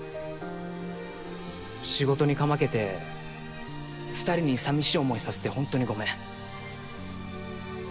仕事にかまけて２人にさみしい思いさせてホントにごめん。